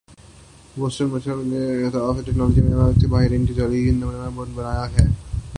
Boston Massachusetts institute of technology M I T کے ماہرین نے jelly نما روبوٹ بنایا ہے